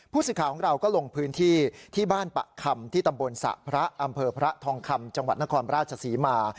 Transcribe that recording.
ผู้สื่อข่าวของเราก็ลงพื้นที่ที่บ้านปะคำที่ตำบลสระพระอำเภอพระทองคำจังหวัดนครราชศรีมา